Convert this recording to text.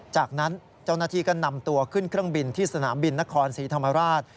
จากนั้นเจ้าหน้าที่ก็นำตัวขึ้นเครื่องบินที่สนามบินนครศรีธรรมราช